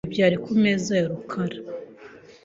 Ibi byari kumeza ya rukara .